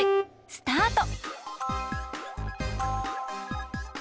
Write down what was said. スタート！